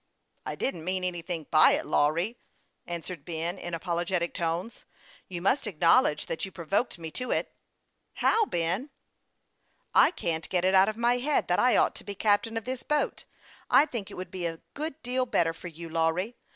I didn't mean anything by it, Lawry," answered Ben, in apologetic tones. " You must acknowledge that you provoked me to it." "How, Ben?" " I can't get it out of my head that I ought to be captain of this boat. I think it would be a good deal better for you, Lawry.